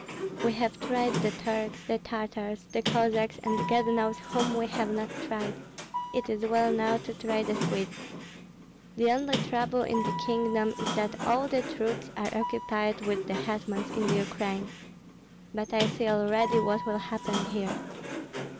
We have tried the Turks, the Tartars, the Cossacks, and God knows whom we have not tried; it is well now to try the Swedes. The only trouble in the kingdom is that all the troops are occupied with the hetmans in the Ukraine. But I see already what will happen here.